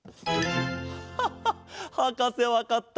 ハハッはかせわかった。